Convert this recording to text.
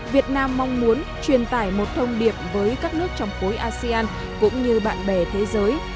việt nam mong muốn truyền tải một thông điệp với các nước trong khối asean cũng như bạn bè thế giới